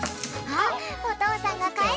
あっ！